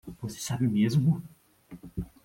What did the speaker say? Você sabe mesmo?